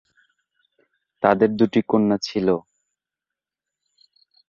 তাদের দুটি কন্যা ছিল।